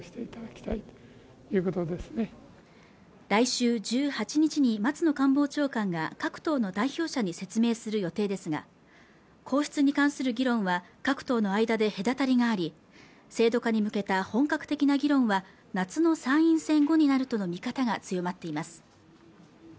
来週１８日に松野官房長官が各党の代表者に説明する予定ですが皇室に関する議論は各党の間で隔たりがあり制度化に向けた本格的な議論は夏の参院選後になるとの見方が強まっています